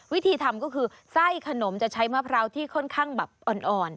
วิธีทำก็คือไส้ขนมจะใช้มะพร้าวที่ค่อนข้างแบบอ่อน